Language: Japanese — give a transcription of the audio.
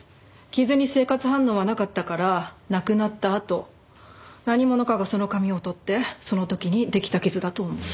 傷に生活反応はなかったから亡くなったあと何者かがその紙を取ってその時にできた傷だと思う。